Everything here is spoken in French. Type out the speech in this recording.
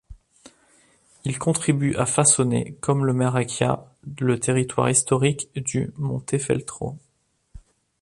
Il contribue à façonner, comme le Marecchia, le territoire historique du Montefeltro.